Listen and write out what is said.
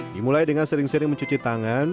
dimulai dengan sering sering mencuci tangan